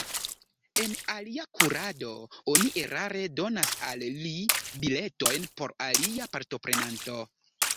En alia kurado, oni erare donas al li biletojn por alia partoprenanto.